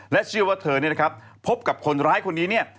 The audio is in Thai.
และเชื่อว่าเธอนี่นะครับพบกับคนร้ายคนนี้